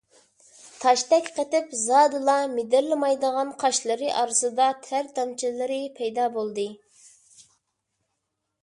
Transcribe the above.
تاشتەك قېتىپ زادىلا مىدىرلىمايدىغان قاشلىرى ئارىسىدا تەر تامچىلىرى پەيدا بولدى.